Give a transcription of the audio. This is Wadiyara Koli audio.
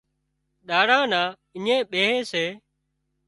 ۮاڙا نا اڃين ٻيهي سي